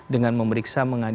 dengan memeriksa mengadili